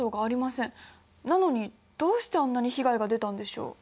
なのにどうしてあんなに被害が出たんでしょう？